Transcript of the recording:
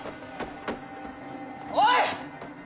おい！